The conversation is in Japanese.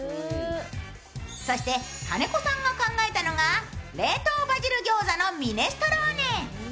そして金子さんが考えたのが冷凍バジル餃子のミネストローネ。